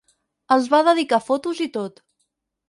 Els va dedicar fotos i tot.